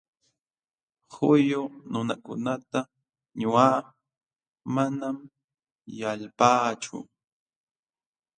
Huyu nunakunata ñuqaqa manam yalpaachu.